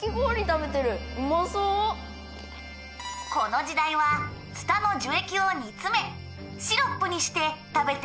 「この時代はツタの樹液を煮詰めシロップにして食べていたフォンね」